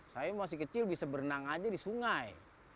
saya masih kecil bisa berenang aja di sungai